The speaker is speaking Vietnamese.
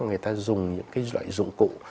người ta dùng những cái loại dụng cụ